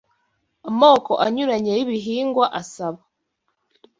Amoko anyuranye y’ibihingwa asaba